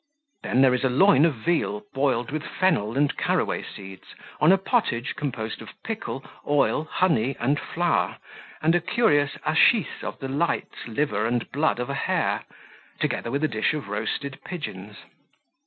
Then there is a loin of veal boiled with fennel and caraway seed, on a pottage composed of pickle, oil, honey, and flour, and a curious hachis of the lights, liver, and blood of a hare, together with a dish of roasted pigeons.